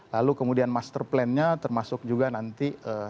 lalu kemudian master plan nya termasuk juga nanti